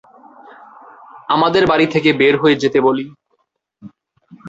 আমাদের বাড়ি থেকে বের হয়ে যেতে বলি।